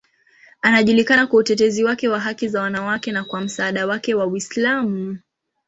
Anajulikana kwa utetezi wake wa haki za wanawake na kwa msaada wake wa Uislamu.